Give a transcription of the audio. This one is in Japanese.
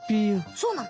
そうなの？